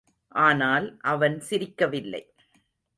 ஆனால் அவன் சிரிக்கவில்லை.